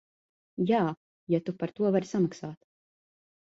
Jā, ja tu par to vari samaksāt.